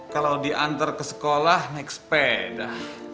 kalau diantar ke sekolah naik sepeda